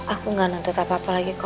aku gak nuntut apa apa lagi kok